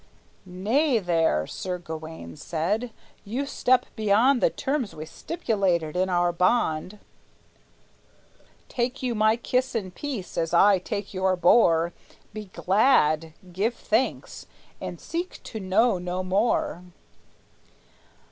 "Nay, there," Sir Gawayne said, "you step beyond The terms we stipulated in our bond. Take you my kiss in peace, as I your boar; Be glad; give thanks; and seek to know no more."